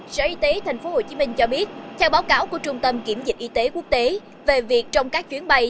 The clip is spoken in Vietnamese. sở y tế tp hcm cho biết theo báo cáo của trung tâm kiểm dịch y tế quốc tế về việc trong các chuyến bay